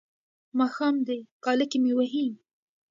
ماښام دی کاله کې مې وهي.